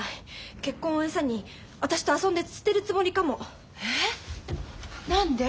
結婚を餌に私と遊んで捨てるつもりかも。え！？何で？